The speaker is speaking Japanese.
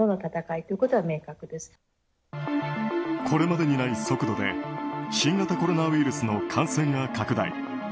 これまでにない速度で新型コロナウイルスの感染が拡大。